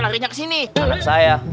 larinya ke sini saya